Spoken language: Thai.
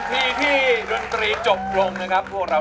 ใจยังคงร้องกวนเช้าคำ